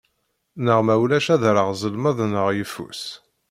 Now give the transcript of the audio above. Neɣ ma ulac ad rreɣ zelmeḍ neɣ yeffus.